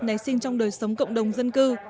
nảy sinh trong đời sống cộng đồng dân cư